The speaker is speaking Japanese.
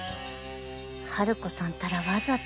ハルコさんったらわざと